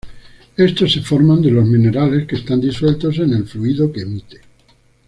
Estos se forman de los minerales que están disueltos en el fluido que emite.